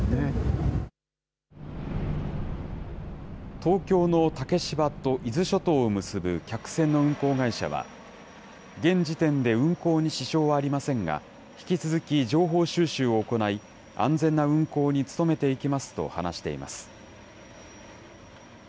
東京の竹芝と伊豆諸島を結ぶ客船の運航会社は、現時点で運航に支障はありませんが、引き続き情報収集を行い、安全な運航に努めていきますと話しています。